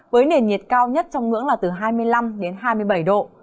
với nền nhiệt cao nhất trong ngưỡng là từ hai mươi năm đến hai mươi bảy độ